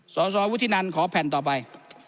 สสวุฒินันขอแผ่นต่อไป